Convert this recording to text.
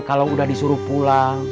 kalau udah disuruh pulang